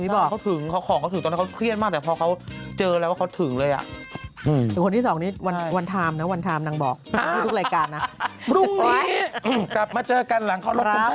พรุ่งนี้กลับมาเจอกันหลังข้อลบกลุ่มไทย